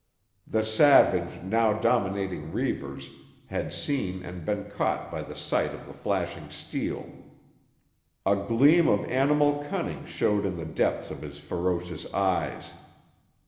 The savage now dominating Reivers had seen and been caught by the sight of the flashing steel. A gleam of animal cunning showed in the depths of his ferocious eyes.